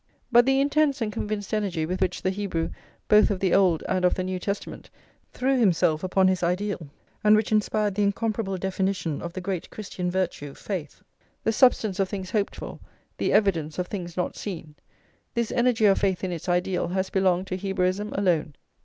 But the intense and convinced energy with which the Hebrew, both of the Old and of the New Testament, threw himself upon his ideal, and which inspired the incomparable definition of the great Christian virtue, Faith, the substance of things hoped for, the evidence of things not seen, this energy of faith in its ideal has [lx] belonged to Hebraism alone.